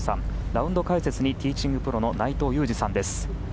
ラウンド解説にティーチングプロの内藤雄士さんです。